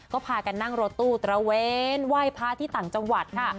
ก็พากันนั่งรถตู้ตระเวนไหว้พระที่ต่างจังหวัดค่ะ